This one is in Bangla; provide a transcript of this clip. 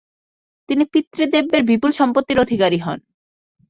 তিনি পিতৃব্যের বিপুল সম্পত্তির অধিকারী হন।